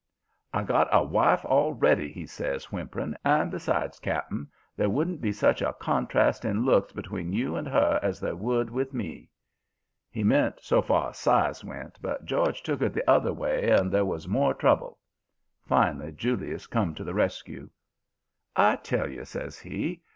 "'I got a wife already,' he says, whimpering. 'And, besides, cap'n, there wouldn't be such a contrast in looks between you and her as there would with me.' "He meant so far as size went, but George took it the other way, and there was more trouble. Finally Julius come to the rescue. "'I tell you,' says he.